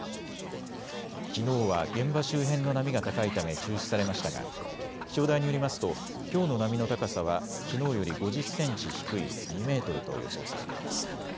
きのうは現場周辺の波が高いため中止されましたが気象台によりますときょうの波の高さはきのうより５０センチ低い２メートルと予想されています。